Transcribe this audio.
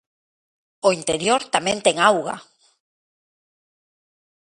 O interior tamén ten auga!